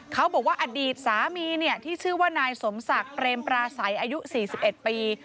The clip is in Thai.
เขาบอกว่าอดีตสามีที่ชื่อว่านายสมศักดิ์เปรมปราศัยอายุ๔๑ปี